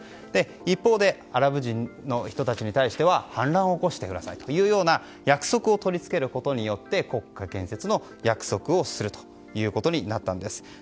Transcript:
一方でアラブ人の人たちに対しては反乱を起こしてくださいという約束を取り付けることによって国家建設の約束をするということになったんです。